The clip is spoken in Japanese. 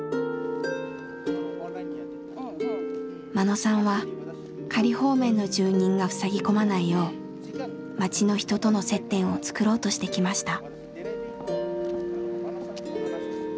眞野さんは仮放免の住人がふさぎ込まないよう町の人との接点を作ろうとしてきました。